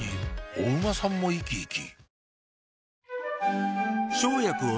お馬さんも生き生き？